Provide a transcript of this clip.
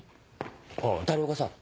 あっ谷岡さん